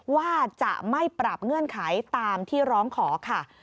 ว่าจะไม่ปรับเงื่อนไขตามที่ร้องขอค่ะ